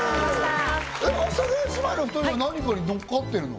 阿佐ヶ谷姉妹の２人は何かにのっかってるの？